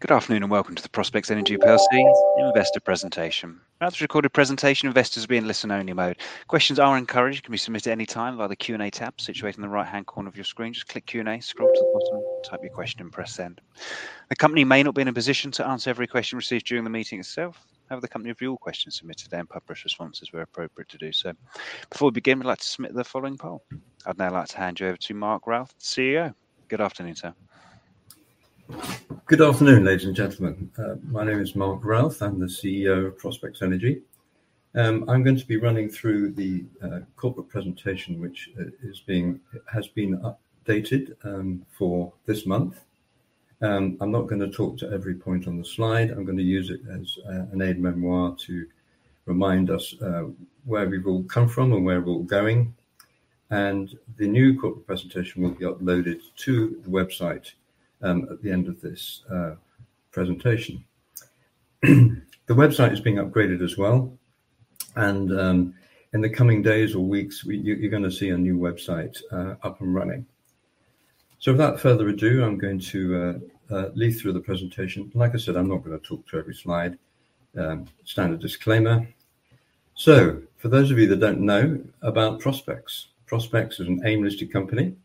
Good afternoon, welcome to the Prospex Energy PLC Investor Presentation. Now, this is a recorded presentation, investors will be in listen-only mode. Questions are encouraged, can be submitted anytime via the Q&A tab situated in the right-hand corner of your screen. Just click Q&A, scroll to the bottom, type your question, and press send. The company may not be in a position to answer every question received during the meeting itself. However, the company review all questions submitted and publish responses where appropriate to do so. Before we begin, we'd like to submit the following poll. I'd now like to hand you over to Mark Routh, CEO. Good afternoon, sir. Good afternoon, ladies and gentlemen. My name is Mark Routh. I'm the CEO of Prospex Energy. I'm going to be running through the corporate presentation, which has been updated for this month. I'm not gonna talk to every point on the slide. I'm gonna use it as an aide-mémoire to remind us where we've all come from and where we're going. The new corporate presentation will be uploaded to the website at the end of this presentation. The website is being upgraded as well, and in the coming days or weeks, you're gonna see a new website up and running. Without further ado, I'm going to lead through the presentation. Like I said, I'm not gonna talk to every slide. Standard disclaimer. For those of you that don't know about Prospex is an AIM-listed company.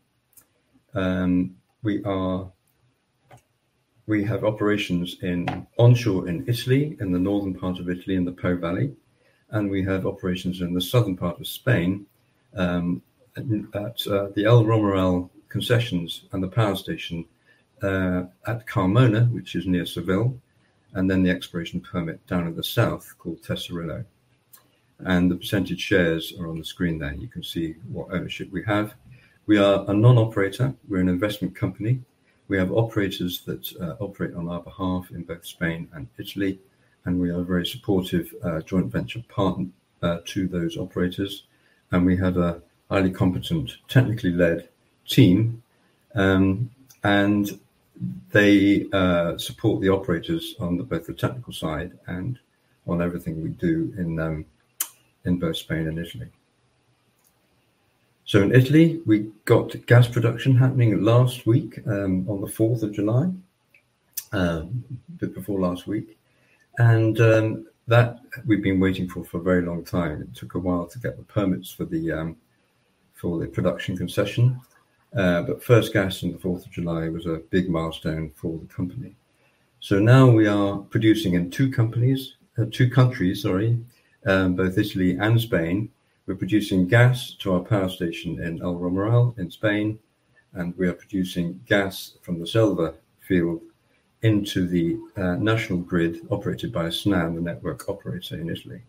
We have operations in onshore in Italy, in the northern part of Italy, in the Po Valley, and we have operations in the southern part of Spain, at the El Romeral concessions and the power station at Carmona, which is near Seville, and then the exploration permit down in the south called Tesorillo. The percentage shares are on the screen there, you can see what ownership we have. We are a non-operator. We're an investment company. We have operators that operate on our behalf in both Spain and Italy, and we are a very supportive joint venture partner to those operators. We have a highly competent, technically-led team, and they support the operators on both the technical side and on everything we do in both Spain and Italy. In Italy, we got gas production happening last week on the 4th of July. Bit before last week. That we've been waiting for for a very long time. It took a while to get the permits for the production concession, but first gas on the 4th of July was a big milestone for the company. Now we are producing in 2 countries, sorry, both Italy and Spain. We're producing gas to our power station in El Romeral in Spain, and we are producing gas from the Selva field into the national grid, operated by Snam, the network operator in Italy.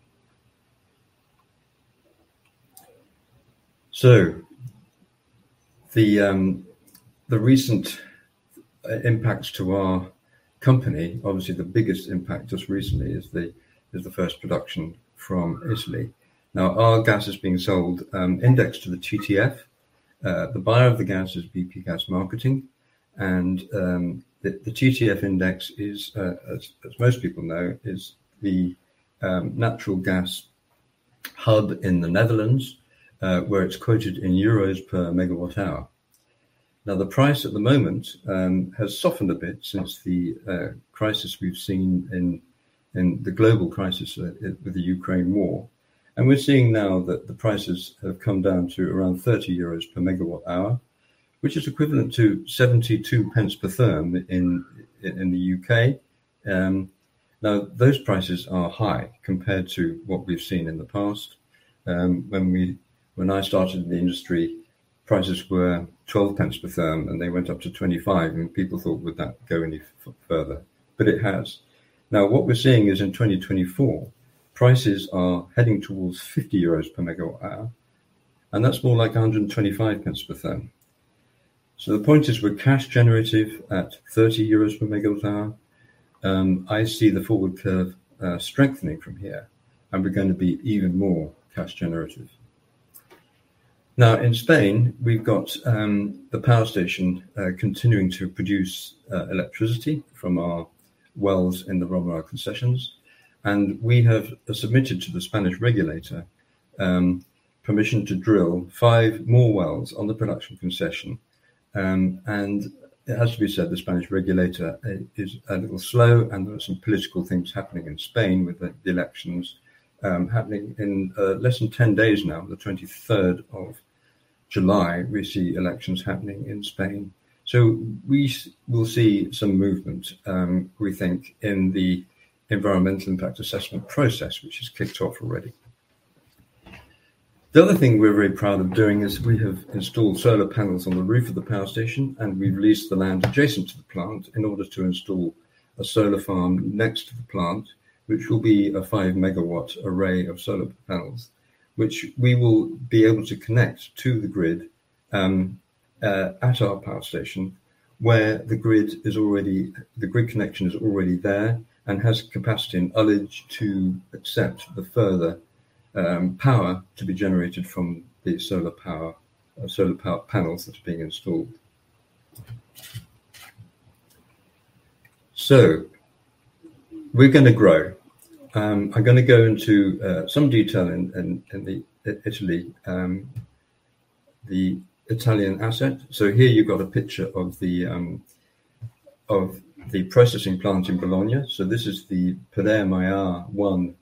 The recent impacts to our company, obviously, the biggest impact just recently is the first production from Italy. Now, our gas is being sold, indexed to the TTF. The buyer of the gas is BP Gas Marketing, and the TTF index is as most people know, is the natural gas hub in the Netherlands, where it's quoted in EUR per megawatt hour. Now, the price at the moment has softened a bit since the crisis we've seen in the global crisis with the Ukraine war. We're seeing now that the prices have come down to around 30 euros per megawatt hour, which is equivalent to 72 pence per therm in the U.K. Now, those prices are high compared to what we've seen in the past. when we... When I started in the industry, prices were 12 GBP per therm, and they went up to 25 GBP per therm. People thought, "Would that go any further?" It has. What we're seeing is in 2024, prices are heading towards 50 euros per megawatt hour, that's more like 125 GBP per therm. The point is, we're cash generative at 30 euros per megawatt hour. I see the forward curve strengthening from here, we're going to be even more cash generative. In Spain, we've got the power station continuing to produce electricity from our wells in the Romeral concessions, we have submitted to the Spanish regulator permission to drill 5 more wells on the production concession. It has to be said, the Spanish regulator is a little slow. There are some political things happening in Spain with the elections, happening in less than 10 days now. The 23rd of July, we see elections happening in Spain. We'll see some movement, we think, in the environmental impact assessment process, which has kicked off already. The other thing we're very proud of doing is we have installed solar panels on the roof of the power station. We've leased the land adjacent to the plant in order to install a solar farm next to the plant, which will be a 5-megawatt array of solar panels. We will be able to connect to the grid at our power station, where the grid is already, the grid connection is already there and has capacity and ullage to accept the further power to be generated from the solar power panels that are being installed. We're going to grow. I'm going to go into some detail in the Italy, the Italian asset. Here you've got a picture of the processing plant in Bologna. This is the Podere Maiar-1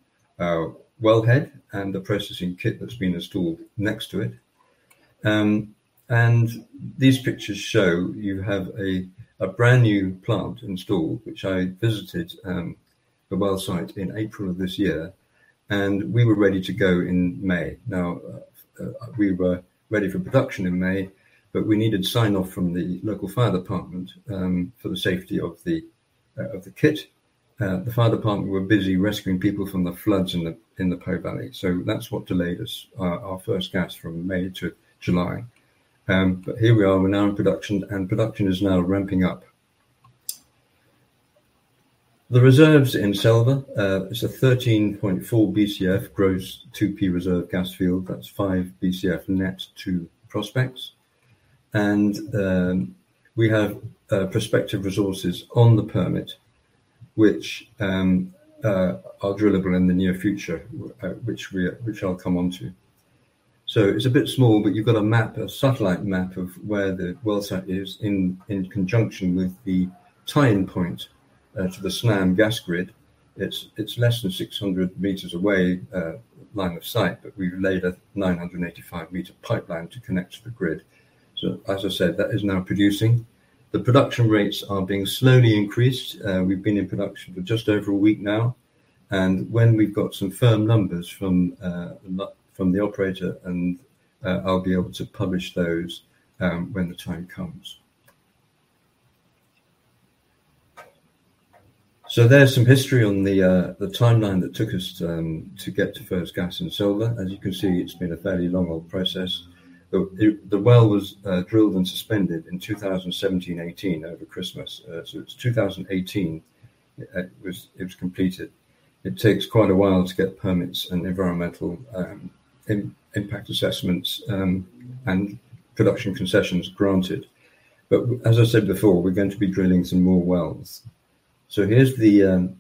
wellhead, and the processing kit that's been installed next to it. These pictures show you have a brand new plant installed, which I visited the well site in April of this year, and we were ready to go in May. We were ready for production in May, but we needed sign-off from the local fire department for the safety of the kit. The fire department were busy rescuing people from the floods in the Po Valley. That's what delayed us, our first gas from May to July. Here we are, we're now in production, and production is now ramping up. The reserves in Selva is a 13.4 BCF gross 2P reserve gas field. That's 5 BCF net to Prospex. We have prospective resources on the permit, which are drillable in the near future, which I'll come on to. It's a bit small, but you've got a map, a satellite map of where the well site is in conjunction with the tie-in point to the Snam gas grid. It's less than 600 meters away, line of sight, but we've laid a 985-meter pipeline to connect to the grid. As I said, that is now producing. The production rates are being slowly increased. We've been in production for just over a week now, and when we've got some firm numbers from the operator, and I'll be able to publish those when the time comes. There's some history on the timeline that took us to get to first gas in Selva. As you can see, it's been a fairly long, old process. The well was drilled and suspended in 2017, 18 over Christmas. It's 2018, it was completed. It takes quite a while to get permits and environmental impact assessments and production concessions granted. As I said before, we're going to be drilling some more wells. Here's the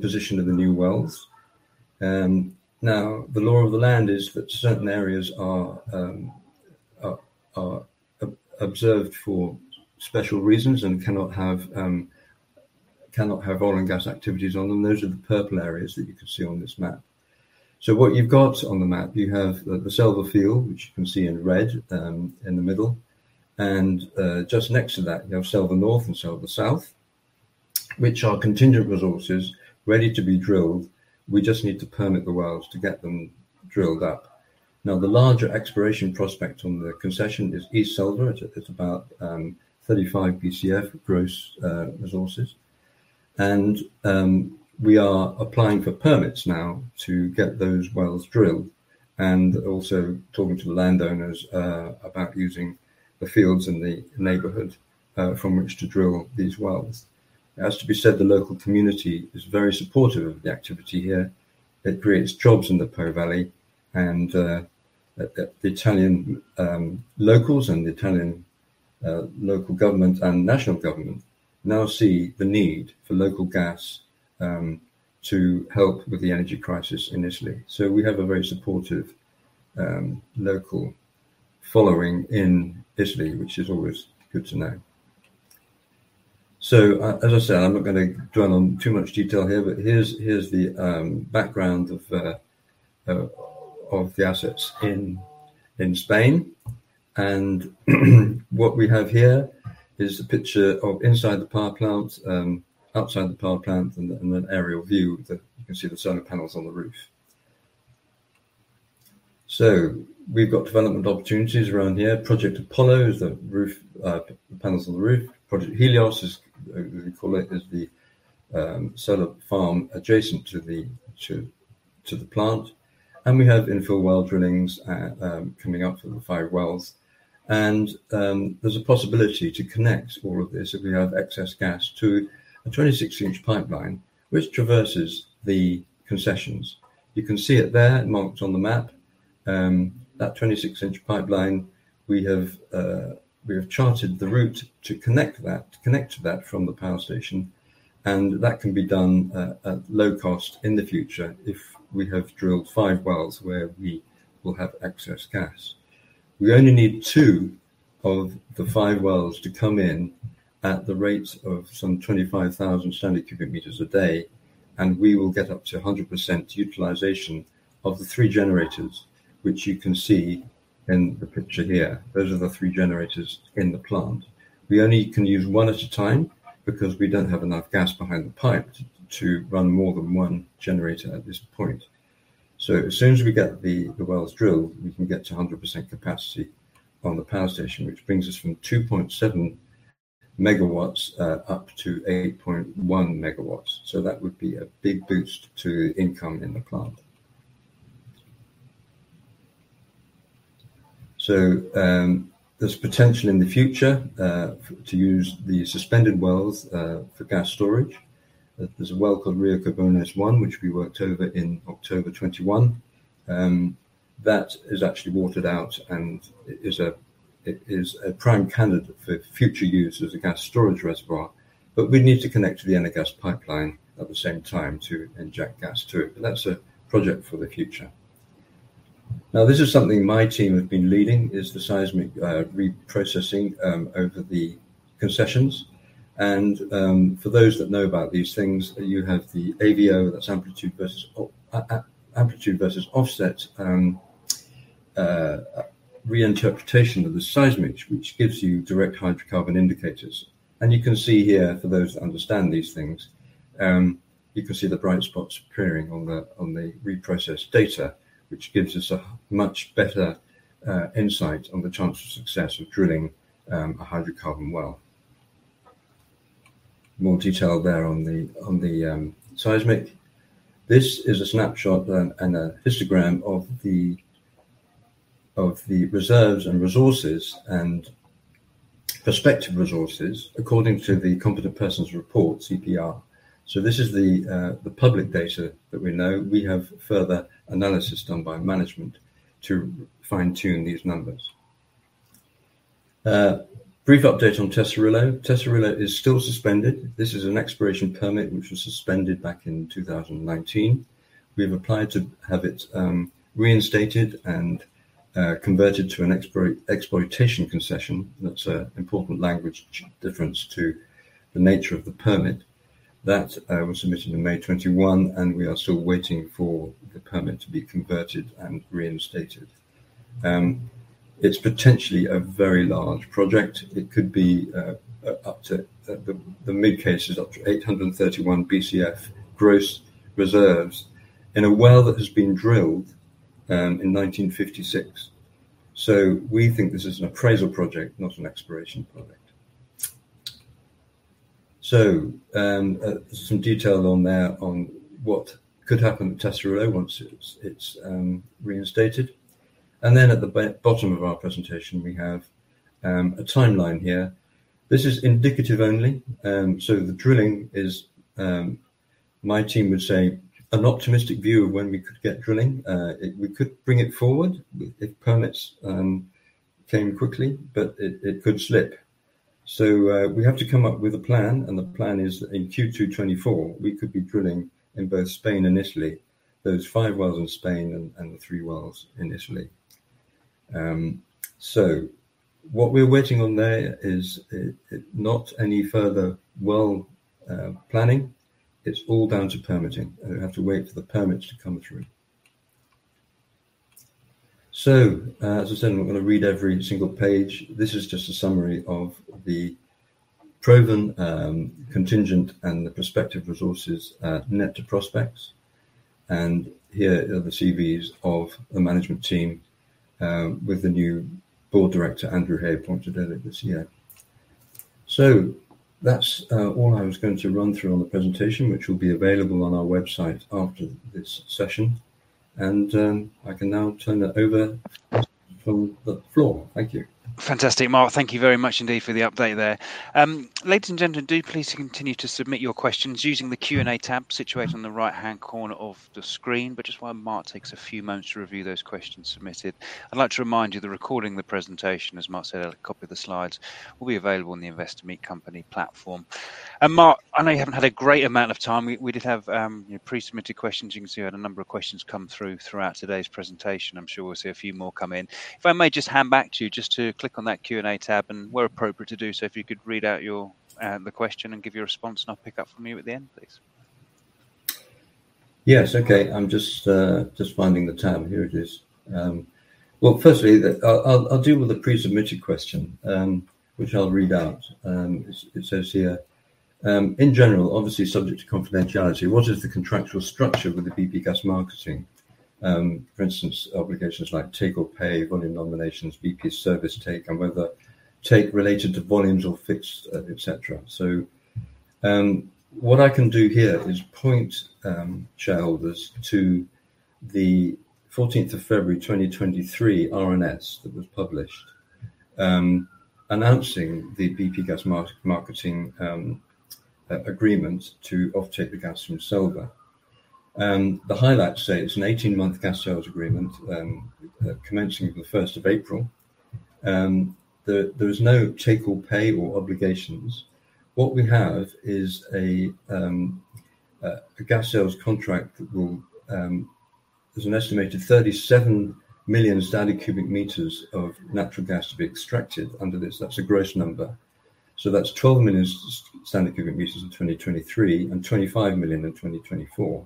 position of the new wells. Now, the law of the land is that certain areas are observed for special reasons and cannot have oil and gas activities on them. Those are the purple areas that you can see on this map. What you've got on the map, you have the Selva field, which you can see in red, in the middle, and just next to that, you have Selva North and Selva South, which are contingent resources ready to be drilled. We just need to permit the wells to get them drilled up. The larger exploration prospect on the concession is East Selva. It's about 35 BCF gross resources. We are applying for permits now to get those wells drilled, and also talking to the landowners about using the fields in the neighborhood from which to drill these wells. It has to be said, the local community is very supportive of the activity here. It creates jobs in the Po Valley and the Italian locals and the Italian local government and national government now see the need for local gas to help with the energy crisis in Italy. We have a very supportive local following in Italy, which is always good to know. As I said, I'm not gonna dwell on too much detail here, but here's the background of the assets in Spain. What we have here is a picture of inside the power plant, outside the power plant, and an aerial view that you can see the solar panels on the roof. We've got development opportunities around here. Project Apollo is the roof panels on the roof. Project Helios is, we call it, the solar farm adjacent to the plant. We have infill well drillings coming up for the 5 wells. There's a possibility to connect all of this, if we have excess gas, to a 26-inch pipeline, which traverses the concessions. You can see it there marked on the map. That 26-inch pipeline, we have charted the route to connect that from the power station, and that can be done at low cost in the future if we have drilled 5 wells where we will have excess gas. We only need 2 of the 5 wells to come in at the rate of some 25,000 standard cubic meters a day, and we will get up to 100% utilization of the 3 generators, which you can see in the picture here. Those are the 3 generators in the plant. We only can use 1 at a time because we don't have enough gas behind the pipe to run more than 1 generator at this point. As soon as we get the wells drilled, we can get to 100% capacity on the power station, which brings us from 2.7 megawatts up to 8.1 megawatts. That would be a big boost to income in the plant. There's potential in the future to use the suspended wells for gas storage. There's a well called Rio Corbones-1, which we worked over in October 2021. That is actually watered out and it is a prime candidate for future use as a gas storage reservoir, but we need to connect to the Eni gas pipeline at the same time to inject gas to it. That's a project for the future. Now, this is something my team have been leading, is the seismic reprocessing over the concessions. For those that know about these things, you have the AVO, that's amplitude versus offset reinterpretation of the seismics, which gives you direct hydrocarbon indicators. You can see here, for those that understand these things, you can see the bright spots appearing on the reprocessed data, which gives us a much better insight on the chance of success of drilling a hydrocarbon well. More detail there on the seismic. This is a snapshot and a histogram of the reserves and resources and prospective resources according to the competent person's report, CPR. This is the public data that we know. We have further analysis done by management to fine-tune these numbers. Brief update on Tesorillo. Tesorillo is still suspended. This is an exploration permit which was suspended back in 2019. We have applied to have it reinstated and converted to an exploitation concession. That's an important language difference to the nature of the permit. That was submitted in May 2021. We are still waiting for the permit to be converted and reinstated. It's potentially a very large project. It could be up to the mid case is up to 831 Bcf gross reserves in a well that has been drilled in 1956. We think this is an appraisal project, not an exploration project. Some detail on there on what could happen with Tesorillo once it's reinstated. At the bottom of our presentation, we have a timeline here. This is indicative only. The drilling is my team would say, an optimistic view of when we could get drilling. We could bring it forward if permits came quickly, but it could slip. We have to come up with a plan, and the plan is in Q2 2024, we could be drilling in both Spain and Italy, those five wells in Spain and the three wells in Italy. What we're waiting on there is not any further well planning. It's all down to permitting, and we have to wait for the permits to come through. As I said, I'm not gonna read every single page. This is just a summary of the proven, contingent and the prospective resources, net to Prospex. Here are the CVs of the management team, with the new board director, Andrew Hay, appointed earlier this year. That's all I was going to run through on the presentation, which will be available on our website after this session. I can now turn it over to from the floor. Thank you. Fantastic, Mark. Thank you very much indeed for the update there. Ladies and gentlemen, do please continue to submit your questions using the Q&A tab situated on the right-hand corner of the screen, which is why Mark takes a few moments to review those questions submitted. I'd like to remind you, the recording of the presentation, as Mark said, a copy of the slides, will be available on the Investor Meet Company platform. Mark, I know you haven't had a great amount of time. We did have your pre-submitted questions. You can see you had a number of questions come through throughout today's presentation. I'm sure we'll see a few more come in. If I may just hand back to you just to click on that Q&A tab, and where appropriate to do so, if you could read out your, the question and give your response, and I'll pick up from you at the end, please. Yes, okay. I'm just finding the tab. Here it is. Well, firstly, I'll deal with the pre-submitted question, which I'll read out. It says here: "In general, obviously subject to confidentiality, what is the contractual structure with the BP Gas Marketing? For instance, obligations like take or pay, volume nominations, BP service take, and whether take related to volumes or fixed, et cetera." What I can do here is point shareholders to the 14th of February 2023 RNS that was published, announcing the BP Gas Marketing agreement to offtake the gas from Selva. The highlights say it's an 18-month gas sales agreement, commencing the 1st of April. There is no take or pay or obligations. What we have is a gas sales contract that will... there's an estimated 37 million standard cubic meters of natural gas to be extracted under this. That's a gross number. That's 12 million standard cubic meters in 2023, and 25 million in 2024.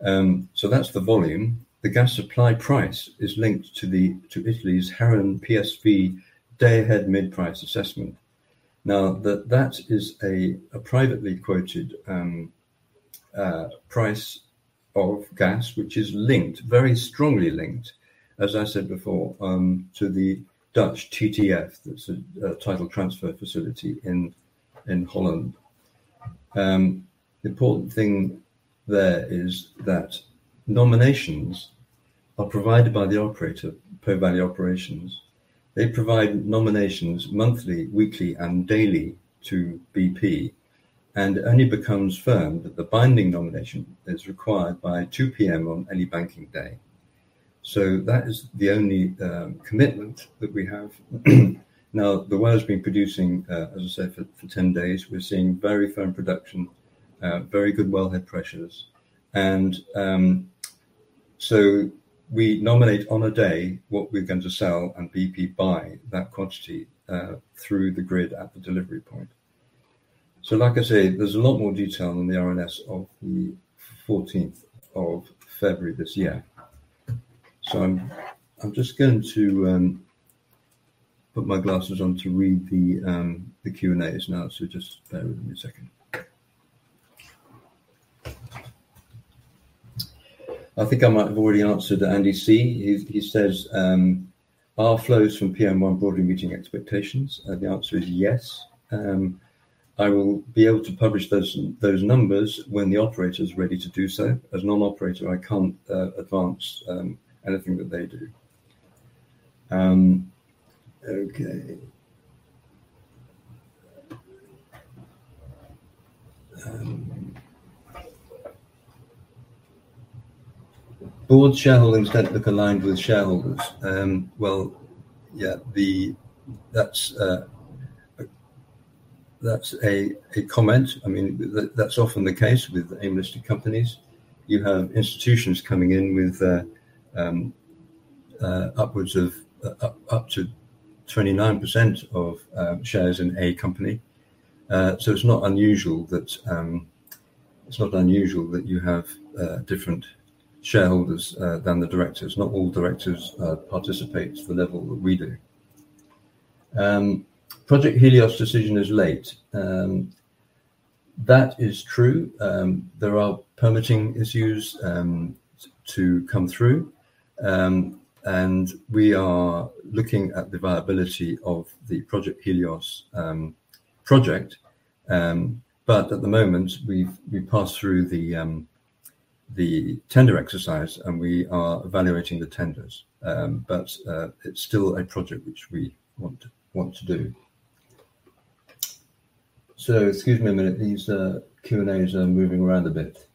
That's the volume. The gas supply price is linked to Italy's ICIS Heren PSV day-ahead mid-price assessment. That is a privately quoted price of gas, which is linked, very strongly linked, as I said before, to the Dutch TTF. That's a title transfer facility in Holland. The important thing there is that nominations are provided by the operator, Po Valley Operations. They provide nominations monthly, weekly, and daily to BP. It only becomes firm that the binding nomination is required by 2:00 P.M. on any banking day. That is the only commitment that we have. The well has been producing, as I said, for 10 days. We're seeing very firm production, very good wellhead pressures. We nominate on a day what we're going to sell, and BP buy that quantity through the grid at the delivery point. Like I say, there's a lot more detail on the RNS of the 14th of February this year. I'm just going to put my glasses on to read the Q&A's now. Just bear with me a second. I think I might have already answered Andy C. He says, "Are flows from PM-1 broadly meeting expectations?" The answer is yes. I will be able to publish those numbers when the operator is ready to do so. As non-operator, I can't advance anything that they do. Okay. Board shareholders don't look aligned with shareholders. Well, yeah, that's a comment. I mean, that's often the case with the AIM-listed companies. You have institutions coming in with upwards of 29% of shares in a company. It's not unusual that it's not unusual that you have different shareholders than the directors. Not all directors participate to the level that we do. Project Helios decision is late. That is true. There are permitting issues to come through. We are looking at the viability of the Project Helios project. At the moment, we passed through the tender exercise, and we are evaluating the tenders. It's still a project which we want to do. Excuse me a minute. These Q&A's are moving around a bit.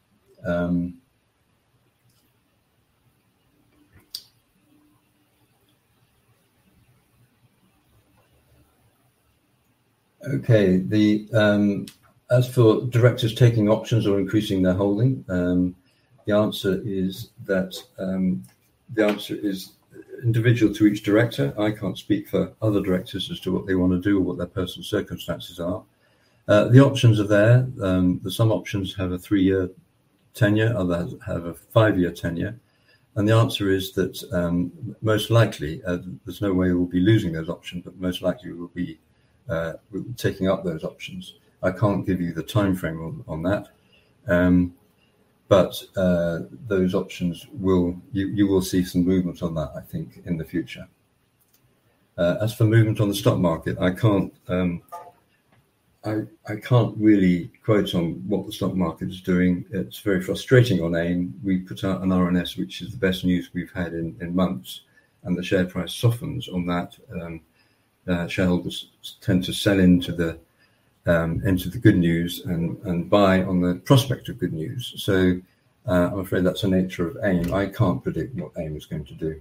As for directors taking options or increasing their holding, the answer is that the answer is individual to each director. I can't speak for other directors as to what they want to do or what their personal circumstances are. The options are there. Some options have a 3-year tenure, others have a 5-year tenure. The answer is that most likely there's no way we'll be losing those options, but most likely we'll be taking up those options. I can't give you the time frame on that. You will see some movement on that, I think, in the future. As for movement on the stock market, I can't really quote on what the stock market is doing. It's very frustrating on AIM. We put out an RNS, which is the best news we've had in months, and the share price softens on that. Shareholders tend to sell into the good news and buy on the prospect of good news. I'm afraid that's the nature of AIM. I can't predict what AIM is going to do.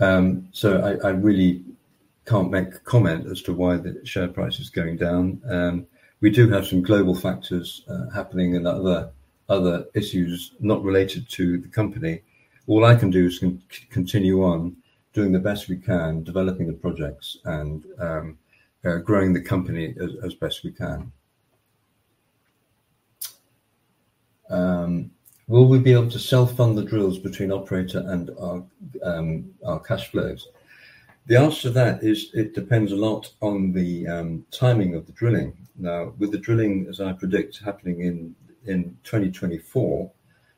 I really can't make a comment as to why the share price is going down. We do have some global factors happening and other issues not related to the company. All I can do is continue on doing the best we can, developing the projects, and growing the company as best we can. Will we be able to self-fund the drills between operator and our cash flows? The answer to that is it depends a lot on the timing of the drilling. Now, with the drilling, as I predict, happening in 2024,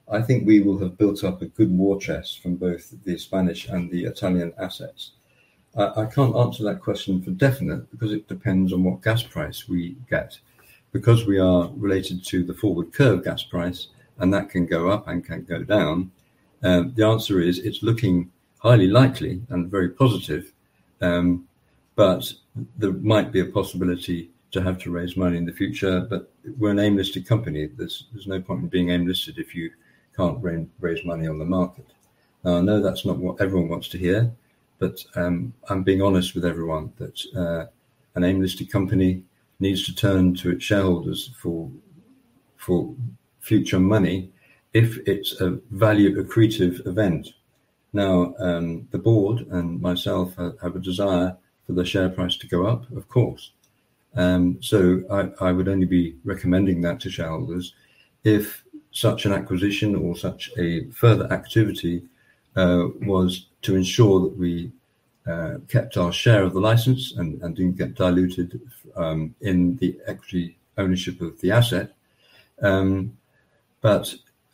I think we will have built up a good war chest from both the Spanish and the Italian assets. I can't answer that question for definite because it depends on what gas price we get. We are related to the forward curve gas price, and that can go up and can go down, the answer is it's looking highly likely and very positive. There might be a possibility to have to raise money in the future. We're an AIM-listed company. There's no point in being AIM-listed if you can't raise money on the market. I know that's not what everyone wants to hear, but I'm being honest with everyone that an AIM-listed company needs to turn to its shareholders for future money if it's a value accretive event. Now, the board and myself have a desire for the share price to go up, of course. I would only be recommending that to shareholders if such an acquisition or such a further activity was to ensure that we kept our share of the license and didn't get diluted in the equity ownership of the asset.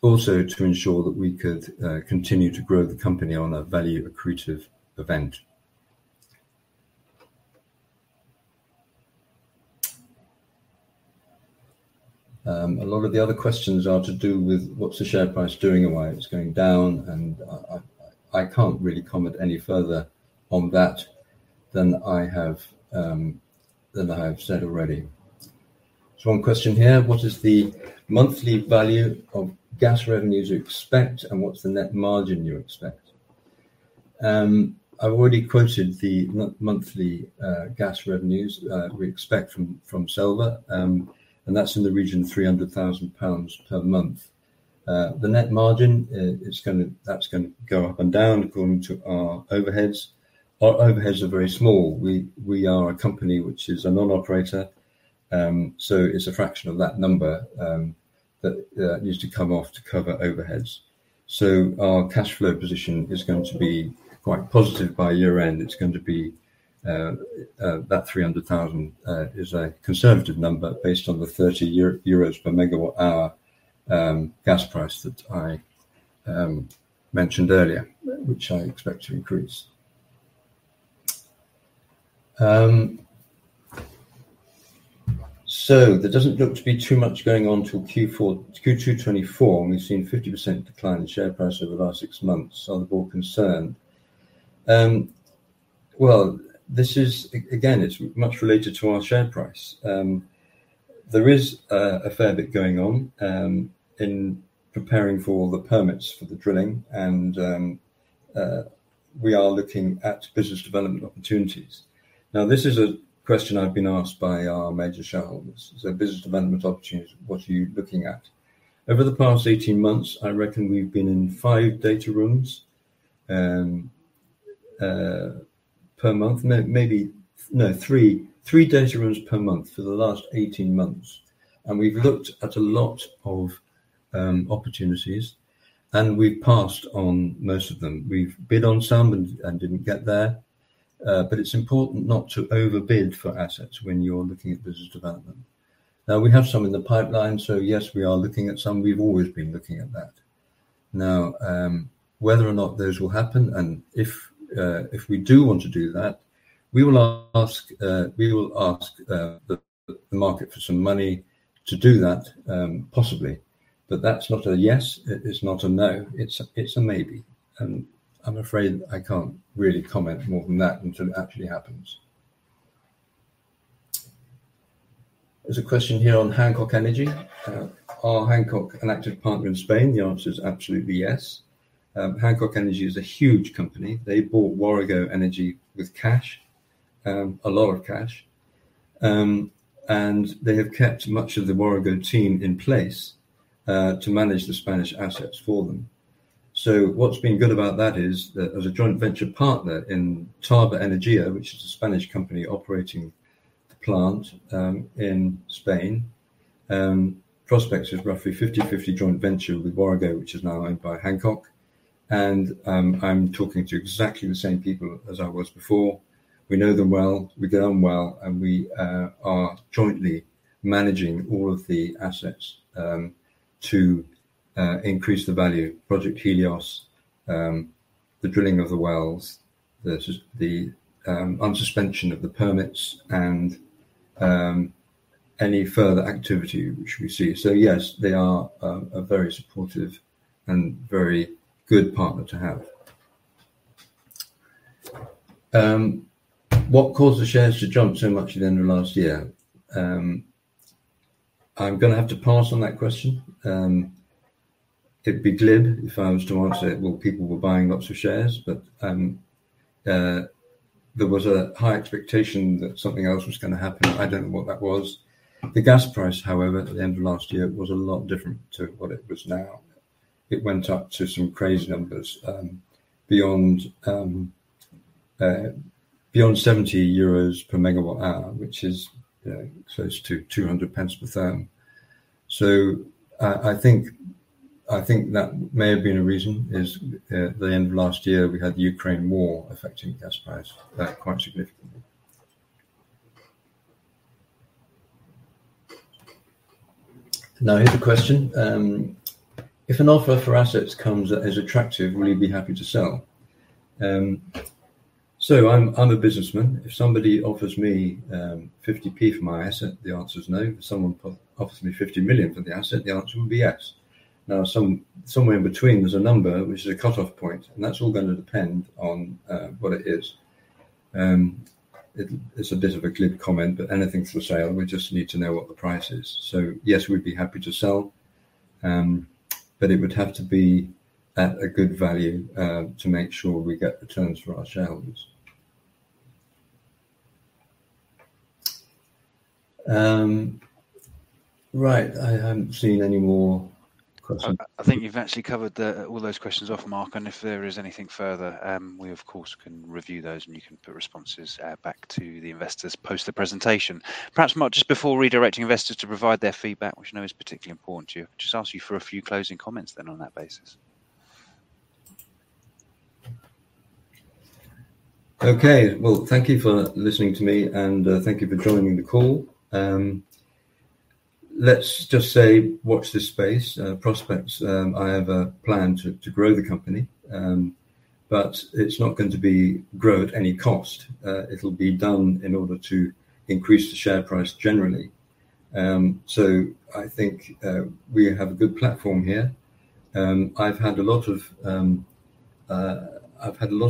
Also to ensure that we could continue to grow the company on a value accretive event. A lot of the other questions are to do with what's the share price doing and why it's going down, I can't really comment any further on that than I have said already. One question here: What is the monthly value of gas revenues you expect, and what's the net margin you expect? I've already quoted the monthly gas revenues we expect from Selva, and that's in the region of 300,000 pounds per month. The net margin is going to go up and down according to our overheads. Our overheads are very small. We are a company which is a non-operator, so it's a fraction of that number that needs to come off to cover overheads. Our cash flow position is going to be quite positive by year-end. It's going to be about 300,000 is a conservative number based on the 30 euros per megawatt hour gas price that I mentioned earlier, which I expect to increase. There doesn't look to be too much going on till Q4, Q2 2024, and we've seen a 50% decline in share price over the last six months. Are they more concerned? Well, this is again, it's much related to our share price. There is a fair bit going on in preparing for the permits for the drilling, and we are looking at business development opportunities. This is a question I've been asked by our major shareholders. Business development opportunities, what are you looking at? Over the past 18 months, I reckon we've been in 5 data rooms per month, no, 3. 3 data rooms per month for the last 18 months, and we've looked at a lot of opportunities, and we've passed on most of them. We've bid on some and didn't get there, but it's important not to overbid for assets when you're looking at business development. We have some in the pipeline, yes, we are looking at some. We've always been looking at that. Whether or not those will happen, and if we do want to do that, we will ask the market for some money to do that, possibly. That's not a yes, it's not a no, it's a maybe, and I'm afraid I can't really comment more than that until it actually happens. There's a question here on Hancock Energy Corporation. Are Hancock an active partner in Spain? The answer is absolutely yes. Hancock Energy Corporation is a huge company. They bought Warrego Energy with cash, a lot of cash, and they have kept much of the Warrego team in place to manage the Spanish assets for them. What's been good about that is that as a joint venture partner in Tarba Energía, which is a Spanish company operating the plant in Spain, Prospex is roughly 50-50 joint venture with Warrego, which is now owned by Hancock, and I'm talking to exactly the same people as I was before. We know them well, we get on well, and we are jointly managing all of the assets to increase the value. Project Helios, the drilling of the wells, the unsuspension of the permits, and any further activity which we see. Yes, they are a very supportive and very good partner to have. What caused the shares to jump so much at the end of last year? I'm gonna have to pass on that question. It'd be glib if I was to answer it. Well, people were buying lots of shares, there was a high expectation that something else was gonna happen. I don't know what that was. The gas price, however, at the end of last year, was a lot different to what it is now. It went up to some crazy numbers, beyond EUR 70 per megawatt hour, which is close to 200 pence per therm. I think that may have been a reason, is, the end of last year, we had the Ukraine War affecting gas price quite significantly. Here's a question: If an offer for assets comes that is attractive, will you be happy to sell? I'm a businessman. If somebody offers me 0.50 for my asset, the answer is no. If someone offers me 50 million for the asset, the answer would be yes. Now, somewhere in between, there's a number, which is a cut-off point, and that's all gonna depend on what it is. It, it's a bit of a glib comment, but anything's for sale. We just need to know what the price is. Yes, we'd be happy to sell, but it would have to be at a good value to make sure we get returns for our shareholders. Right, I haven't seen any more question. I think you've actually covered all those questions off, Mark. If there is anything further, we of course can review those. You can put responses back to the investors, post the presentation. Perhaps, Mark, just before redirecting investors to provide their feedback, which I know is particularly important to you, just ask you for a few closing comments then on that basis. Okay. Well, thank you for listening to me, thank you for joining the call. Let's just say, watch this space. Prospex, I have a plan to grow the company, it's not going to be growth at any cost. It'll be done in order to increase the share price generally. I think we have a good platform here. I've had a lot of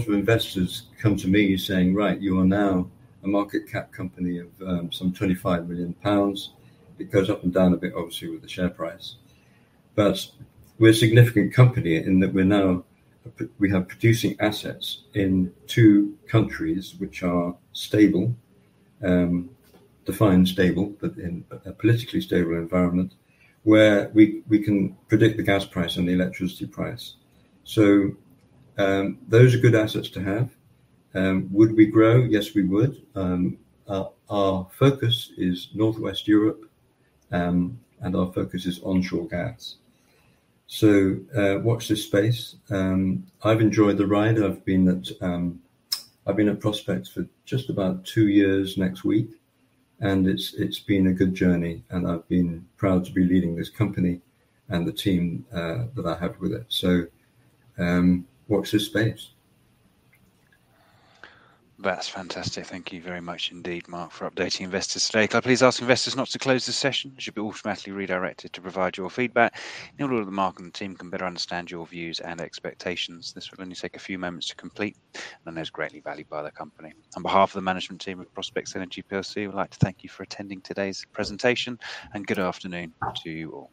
investors come to me saying, "Right, you are now a market cap company of some 25 million pounds." It goes up and down a bit, obviously, with the share price. We're a significant company in that we're now we have producing assets in 2 countries, which are stable, defined stable, but in a politically stable environment, where we can predict the gas price and the electricity price. Those are good assets to have. Would we grow? Yes, we would. Our focus is Northwest Europe, and our focus is onshore gas. Watch this space. I've enjoyed the ride. I've been at Prospex for just about 2 years next week, and it's been a good journey, and I've been proud to be leading this company and the team that I have with it. Watch this space. That's fantastic. Thank you very much indeed, Mark, for updating investors today. Can I please ask investors not to close this session? You should be automatically redirected to provide your feedback, in order that the Mark and the team can better understand your views and expectations. This will only take a few moments to complete, and is greatly valued by the company. On behalf of the management team at Prospex Energy PLC, we'd like to thank you for attending today's presentation, and good afternoon to you all.